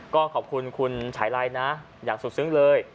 ก็ขอบคุณคุณฉายไลนะอย่างสุดซึ้งเลย